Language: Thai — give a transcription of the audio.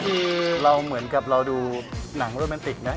คือเราเหมือนกับเราดูหนังโรแมนติกนะ